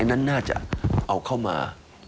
อันนั้นน่าจะเอาเข้ามา